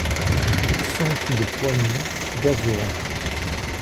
Sente de Poigny, Gazeran